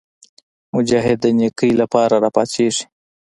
مجاهد د نیکۍ لپاره راپاڅېږي.